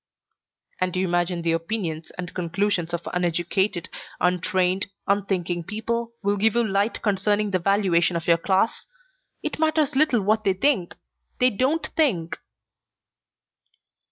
"And you imagine the opinions and conclusions of uneducated, untrained, unthinking people will give you light concerning the valuation of your class? It matters little what they think. They don't think!"